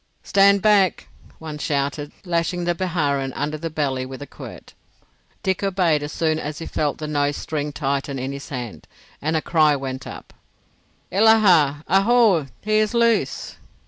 "Stand back!" one shouted, lashing the Biharin under the belly with a quirt. Dick obeyed as soon as he felt the nose string tighten in his hand,—and a cry went up, "Illaha! Aho! He is loose."